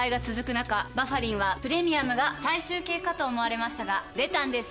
中「バファリン」はプレミアムが最終形かと思われましたが出たんです